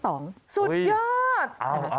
สุดยอด